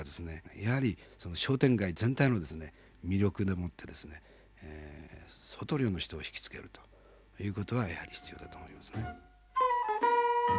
やはり商店街全体のですね魅力でもってですね相当量の人を引き付けるということはやはり必要だと思いますね。